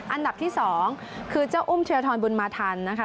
อันดับที่๒คือเจ้าอุ้มเทียทรบุญมาทันนะคะ